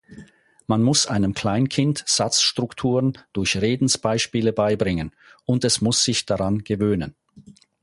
Man muss einem Kleinkind Satzstrukturen durch Redensbeispiele beibringen, und es muss sich daran gewöhnen.